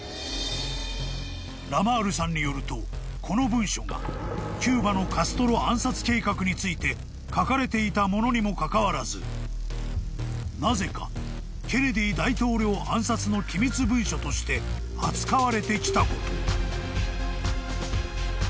［ラマールさんによるとこの文書がキューバのカストロ暗殺計画について書かれていたものにもかかわらずなぜかケネディ大統領暗殺の機密文書として扱われてきたこと］